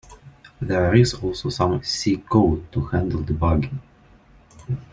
There is also some C code to handle debugging.